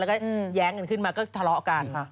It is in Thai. แล้วก็แย้งกันขึ้นมาก็ทะเลาะกัน